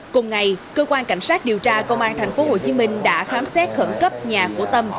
cùng ngày cơ quan cảnh sát điều tra công an tp hcm đã khám xét khẩn cấp nhà của tâm